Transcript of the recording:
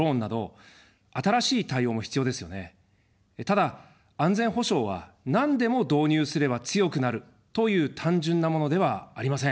ただ、安全保障は、なんでも導入すれば強くなるという単純なものではありません。